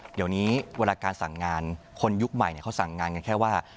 เดี๋ยวนี้เวลาการสั่งงานคนยุคใหม่เขาสั่งงานกันแค่ว่า